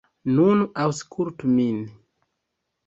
Nun aŭskultu min.